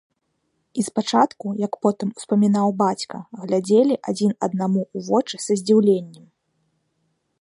І спачатку, як потым успамінаў бацька, глядзелі адзін аднаму ў вочы са здзіўленнем.